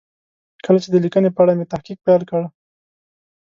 کله چې د لیکنې په اړه مې تحقیق پیل کړ.